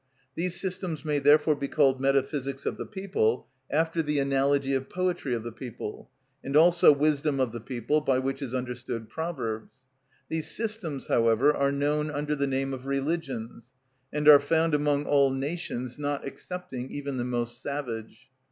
These systems may therefore be called metaphysics of the people, after the analogy of poetry of the people, and also wisdom of the people, by which is understood proverbs. These systems, however, are known under the name of religions, and are found among all nations, not excepting even the most savage.